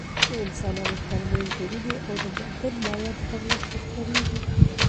د انسانانو تر منځ د وینې او بدن مایعاتو په مرسته خپرېږي.